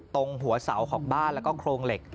ตรงหัวเสาของบ้านแล้วก็โครงเหล็ก